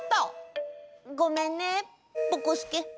ごめんねぼこすけ。